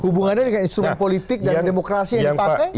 hubungannya dengan instrumen politik dan demokrasi yang dipakai